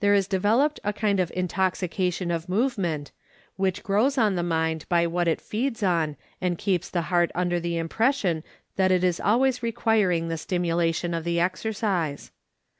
is developed a kind of intoxication of movement which grows on the mind by what it feeds on and keeps the heart under the im pression that it is always requiring the stimulation of the exercise.